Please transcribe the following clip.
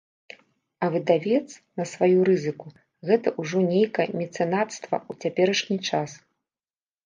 А выдавец на сваю рызыку, гэта ўжо нейкае мецэнацтва ў цяперашні час.